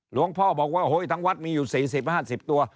หลวงพ่อบอกว่าทั้งวัดมีอยู่๔๐๕๐ตัว